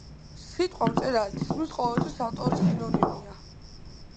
სიტყვა „მწერალი“ თითქმის ყოველთვის ავტორის სინონიმია.